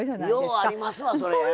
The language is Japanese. ようありますわそれ。